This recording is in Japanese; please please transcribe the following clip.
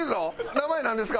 名前なんですか？